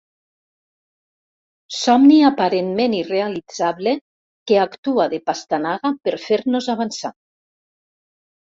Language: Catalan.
Somni aparentment irrealitzable que actua de pastanaga per fer-nos avançar.